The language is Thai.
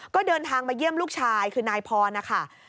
ก็เดินทางมาเยี่ยมลูกชายคือนายพรนะคะ